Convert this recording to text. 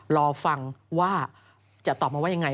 รอฟังว่าจะตอบมาว่ายังไง